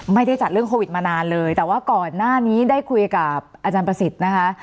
ไม่ได้จัดเรื่องโควิดมานานเลยแต่ว่าก่อนหน้านี้ได้คุยกับอาจารย์ประสิทธิ์นะคะ